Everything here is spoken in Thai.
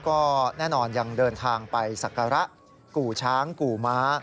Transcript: ก็แน่นอนยังเดินทางไปศักระกู่ช้างกู่ม้า